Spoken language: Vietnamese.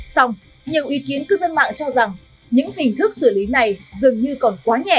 xong nhiều ý kiến cư dân mạng cho rằng những hình thức xử lý này dường như còn quá nhẹ